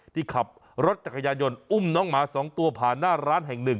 ที่ขับรถจักรยานยนต์อุ้มน้องหมา๒ตัวผ่านหน้าร้านแห่งหนึ่ง